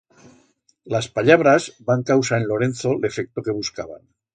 Las pallabras van causar en Lorenzo l'efecto que buscaban.